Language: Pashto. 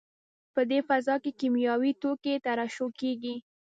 په دې فضا کې کیمیاوي توکي ترشح کېږي.